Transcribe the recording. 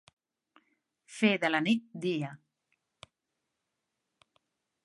Fer de la nit dia.